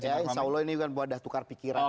ya insya allah ini kan buat dah tukar pikirannya